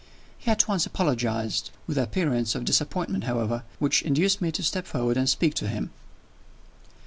He at once apologized with an appearance of disappointment, however, which induced me to step forward and speak to him.